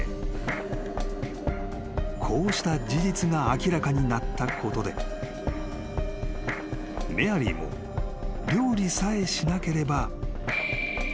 ［こうした事実が明らかになったことでメアリーも料理さえしなければ］